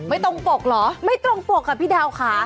ไม่ตรงปกเหรอไม่ตรงปกค่ะพี่ดาวค่ะ